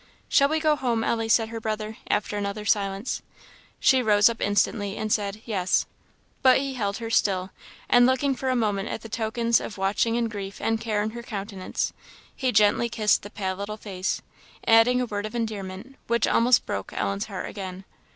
"Shall we go home, Ellie?" said her brother, after another silence. She rose up instantly, and said, "Yes." But he held her still, and looking for a moment at the tokens of watching and grief and care in her countenance, he gently kissed the pale little face, adding a word of endearment, which almost broke Ellen's heart again.